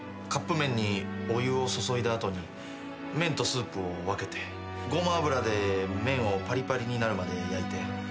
カップ麺にお湯を注いだ後に麺とスープを分けてごま油で麺をパリパリになるまで焼いて。